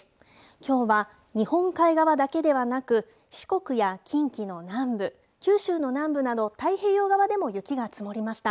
きょうは日本海側だけではなく、四国や近畿の南部、九州の南部など、太平洋側でも雪が積もりました。